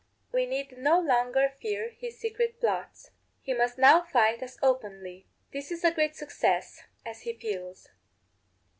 We need no longer fear his secret plots; he must now fight us openly. This is a great success, as he feels.